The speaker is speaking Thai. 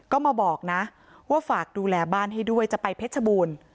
ก็มาบอกนะว่าฝากดูแลบ้านให้ด้วยจะไปเพชรบูรณ์